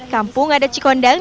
kampung adat cikondang